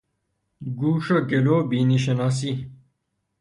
گوش و گلو و بینی شناسی